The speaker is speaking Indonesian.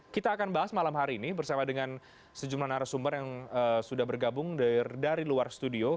kita akan bahas malam hari ini bersama dengan sejumlah narasumber yang sudah bergabung dari luar studio